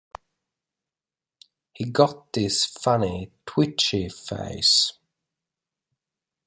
He's got this funny, twitchy face.